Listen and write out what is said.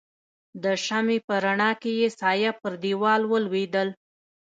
د شمعې په رڼا کې يې سایه پر دیوال ولوېدل.